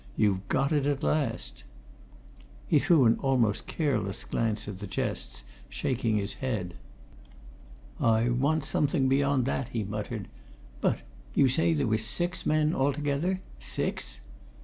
"You've got it, at last." He threw an almost careless glance at the chests, shaking his head. "I want something beyond that," he muttered. "But you say there were six men altogether six?"